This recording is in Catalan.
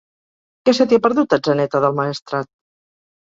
Què se t'hi ha perdut, a Atzeneta del Maestrat?